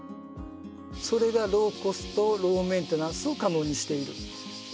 それがローコストローメンテナンスを可能にしているということがいえます。